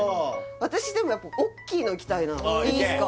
私でもやっぱ大きいのいきたいないいですか？